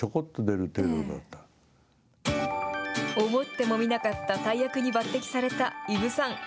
思ってもみなかった大役に抜てきされた伊武さん。